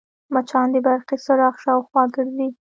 مچان د برقي څراغ شاوخوا ګرځي